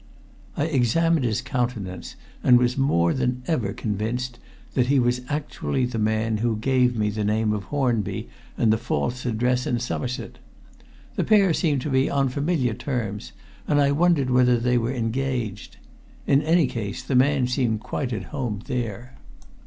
I examined his countenance, and was more than ever convinced that he was actually the man who gave me the name of Hornby and the false address in Somerset. The pair seemed to be on familiar terms, and I wondered whether they were engaged. In any case, the man seemed quite at home there.